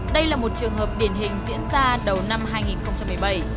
đây là một trường hợp điển hình diễn ra đầu năm hai nghìn một mươi bảy